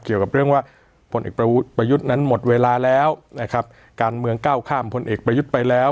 เกี่ยวกับเรื่องว่าผลเอกประยุทธ์นั้นหมดเวลาแล้วนะครับการเมืองก้าวข้ามพลเอกประยุทธ์ไปแล้ว